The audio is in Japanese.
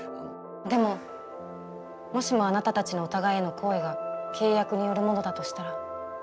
でももしもあなたたちのお互いへの好意が契約によるものだとしたら。